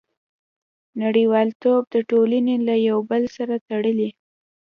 • نړیوالتوب ټولنې له یو بل سره تړلي.